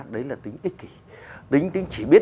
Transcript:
đấy là tính ích kỷ tính chỉ biết